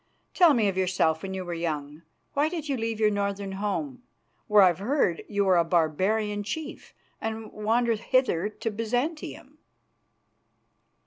Tell me of yourself when you were young. Why did you leave your northern home, where I've heard you were a barbarian chief, and wander hither to Byzantium?"